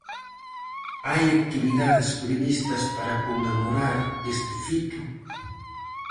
Hai actividades previstas para conmemorar este fito?